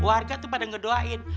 keluarga tuh pada ngedoain